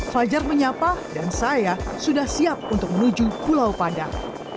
fajar menyapa dan saya sudah siap untuk menuju pulau padang